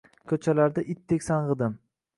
Koʻchalarda itdek sangʻidim